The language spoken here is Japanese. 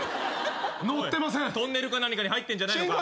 トンネルか何かに入ってんじゃないのか？